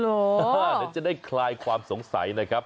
เดี๋ยวจะได้คลายความสงสัยนะครับ